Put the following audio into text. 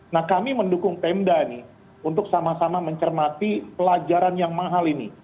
nah kami mendukung pemda nih untuk sama sama mencermati pelajaran yang mahal ini